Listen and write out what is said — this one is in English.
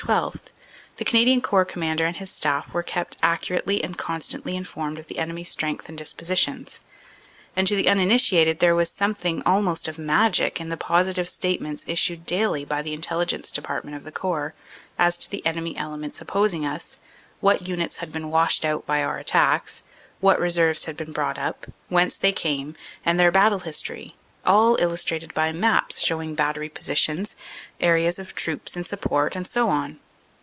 12, the Canadian Corps Commander and his staff were kept accur ately and constantly informed of the enemy strength and dis positions, and to the uninitiated there was something almost of magic in the positive statements issued daily by the Intel ligence Department of the Corps as to the enemy elements opposing us, what units had been "washed out" by our attacks, what reserves had been brought up, whence they came and their battle history, all illustrated by maps showing battery positions, areas of troops in support and so on.